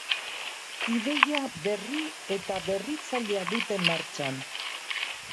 Ideia berri eta berritzailea dute martxan.